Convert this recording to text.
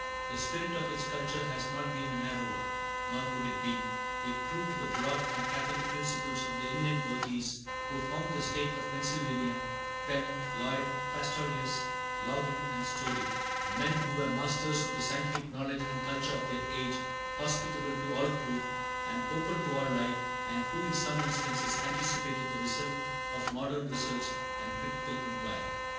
The spirit of its culture has not been a narrow one, nor could it be, if true to the broad and catholic principles of the eminent worthies who founded the State of Pennsylvania, Penn, Lloyd, Pastorius, Logan, and Story; men who were masters of the scientific knowledge and culture of their age, hospitable to all truth, and open to all light, and who in some instances anticipated the result of modern research and critical inquiry.